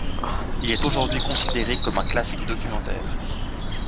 Il est aujourd'hui considéré comme un classique du documentaire.